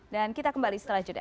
dan kita kembali setelah jeda